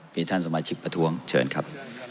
มีท่านสมาชิกประท้วงเชิญครับ